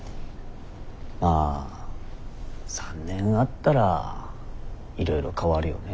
まあ３年あったらいろいろ変わるよね。